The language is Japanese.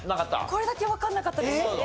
これだけわかんなかったです。